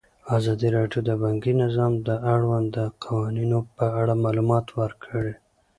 ازادي راډیو د بانکي نظام د اړونده قوانینو په اړه معلومات ورکړي.